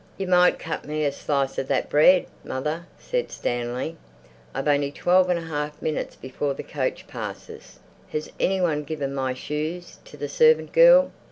"You might cut me a slice of that bread, mother," said Stanley. "I've only twelve and a half minutes before the coach passes. Has anyone given my shoes to the servant girl?"